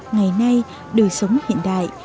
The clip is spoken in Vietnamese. ngày nay đời sống hiện đại